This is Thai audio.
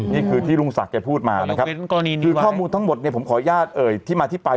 นี่คือที่ลุงศักดิ์พูดมานะครับคือข้อมูลทั้งหมดเนี่ยผมขออนุญาตเอ่ยที่มาที่ไป